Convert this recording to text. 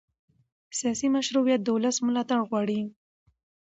سیاسي مشروعیت د ولس ملاتړ غواړي